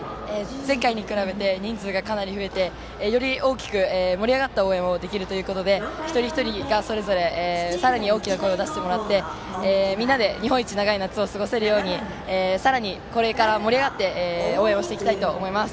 前回に比べて人数が、かなり増えてより大きく盛り上がった応援をできるということで一人一人がそれぞれさらに大きな声を出してもらってみんなで日本一長い夏を過ごせるようにさらにこれから盛り上がって応援をしていきたいと思います。